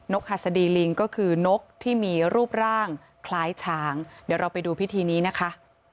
หัสดีลิงก็คือนกที่มีรูปร่างคล้ายช้างเดี๋ยวเราไปดูพิธีนี้นะคะ